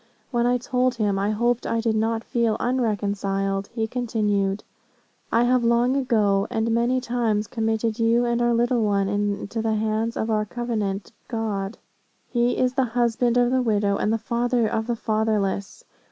When I told him I hoped I did not feel unreconciled, he continued, 'I have long ago, and many times, committed you and our little one into the hands of our covenant God. He is the husband of the widow and the father of the fatherless.